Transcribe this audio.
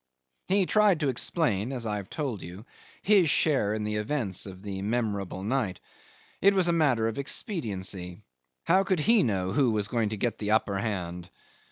He tried to explain as I've told you his share in the events of the memorable night. It was a matter of expediency. How could he know who was going to get the upper hand?